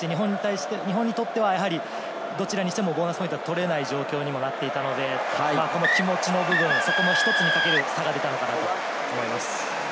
日本にとっては、どちらにしてもボーナスポイントは取れない状況なので、この気持ちの部分、その１つの差が出たのかなと思います。